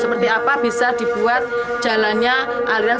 seperti apa bisa dibuat jalannya alih alihnya